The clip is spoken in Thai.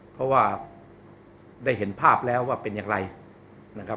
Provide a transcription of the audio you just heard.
เพราะว่าได้เห็นภาพแล้วว่าเป็นอย่างไรนะครับ